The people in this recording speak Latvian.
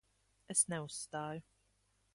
Es neuzstāju.